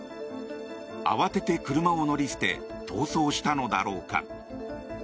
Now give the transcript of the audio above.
慌てて車を乗り捨て逃走したのだろうか。